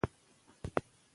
اسمان نن بیخي ور یځ دی